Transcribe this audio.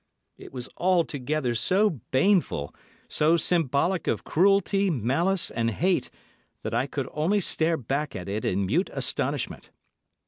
It was altogether so baneful, so symbolic of cruelty, malice, and hate that I could only stare back at it in mute astonishment.